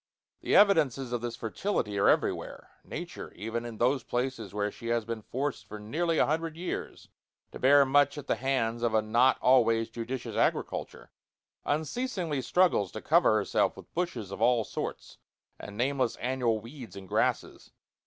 The evidences of this fertility are everywhere. Nature, even in those places where she has been forced for nearly a hundred years to bear much at the hands of a not always judicious agriculture, unceasingly struggles to cover herself with bushes of all sorts and nameless annual weeds and grasses.